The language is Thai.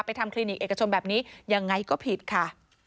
ทำคลินิกเอกชนแบบนี้ยังไงก็ผิดค่ะ